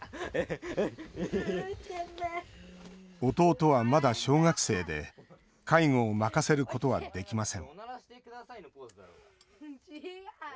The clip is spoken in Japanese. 弟は、まだ小学生で介護を任せることはできません。